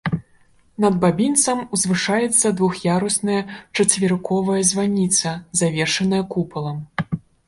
Над бабінцам узвышаецца двух'ярусная чацверыковая званіца, завершаная купалам.